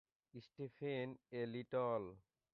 Stephen A. Little.